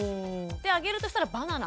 あげるとしたらバナナ？